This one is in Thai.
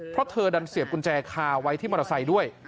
เพราะเธอดันเสียบกุญแจคาไว้ที่มอเตอร์ไซค์ด้วย